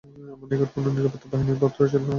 আমার নিকট কোন নিরাপত্তা বাণী বা পত্র ছিল না।